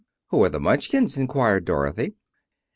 "Who are the Munchkins?" inquired Dorothy.